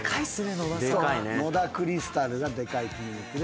野田クリスタルがでかい筋肉で。